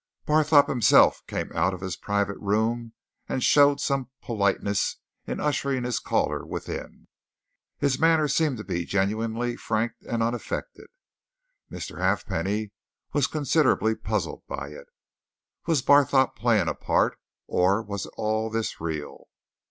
Barthorpe himself came out of his private room and showed some politeness in ushering his caller within. His manner seemed to be genuinely frank and unaffected: Mr. Halfpenny was considerably puzzled by it. Was Barthorpe playing a part, or was all this real?